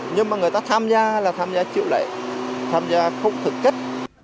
nhưng mà người ta tham gia là tham gia chịu lệ tham gia không thực kích